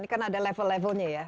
ini kan ada level levelnya ya